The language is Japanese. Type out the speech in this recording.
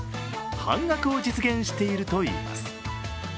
半額を実現しているといいます。